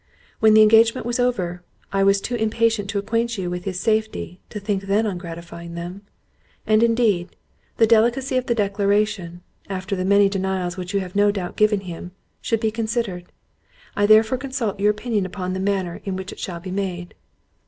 When the engagement was over, I was too impatient to acquaint you with his safety, to think then on gratifying him. And indeed, the delicacy of the declaration, after the many denials which you have no doubt given him, should be considered. I therefore consult your opinion upon the manner in which it shall be made."